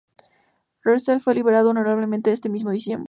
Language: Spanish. Russell fue liberado honorablemente ese mismo diciembre.